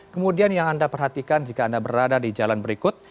kemudian yang anda perhatikan jika anda berada di jalan berikut